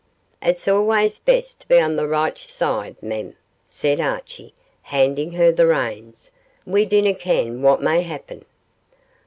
'It's always best to be on the richt side, mem,' said Archie, handing her the reins; 'we dinna ken what may happen.